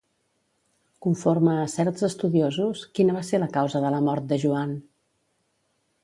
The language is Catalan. Conforme a certs estudiosos, quina va ser la causa de la mort de Joan?